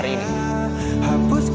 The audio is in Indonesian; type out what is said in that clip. gimana dengan hari ini